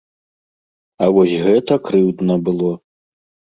А вось гэта крыўдна было!